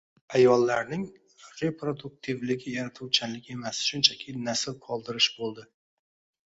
Ayollarning reproduktivligi yaratuvchanlik emas, shunchaki nasl qoldirish bo‘ldi